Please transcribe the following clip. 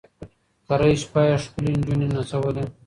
کرۍ شپه یې ښکلي نجوني نڅولې